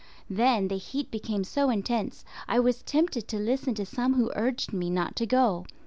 Then the heat became so intense I was tempted to listen to some who urged me not to go.